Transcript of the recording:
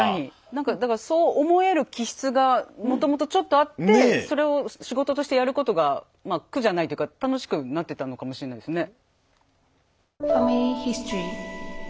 なんかだからそう思える気質がもともとちょっとあってそれを仕事としてやることが苦じゃないっていうか楽しくなっていったのかもしれないですね。